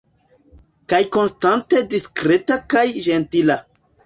Kaj konstante diskreta kaj ĝentila.